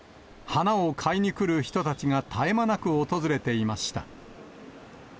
花を買いにくる人たちが絶え間なく訪れていました。